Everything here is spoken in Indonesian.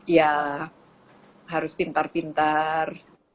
ya harus pintar pintar